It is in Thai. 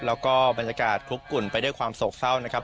แล้วก็บรรยากาศคลุกกุ่นไปด้วยความโศกเศร้านะครับ